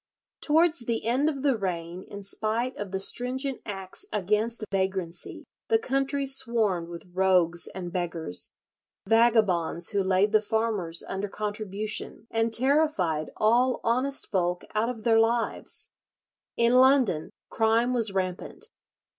Towards the end of the reign, in spite of the stringent acts against vagrancy, the country swarmed with rogues and beggars—vagabonds who laid the farmers under contribution, and terrified all honest folk out of their lives. In London crime was rampant.